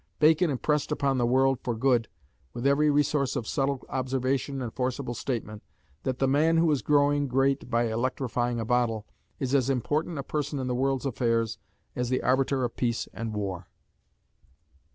Bacon impressed upon the world for good, with every resource of subtle observation and forcible statement, that "the man who is growing great by electrifying a bottle" is as important a person in the world's affairs as the arbiter of peace and war.